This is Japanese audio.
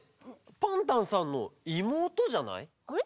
パンタンさんのいもうとじゃない？